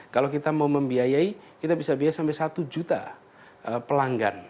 kalau kita mau membiayai kita bisa biaya sampai satu juta pelanggan